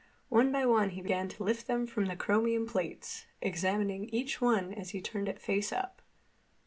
One by one he began to lift them from the chromium plates, examining each one as he turned it face up.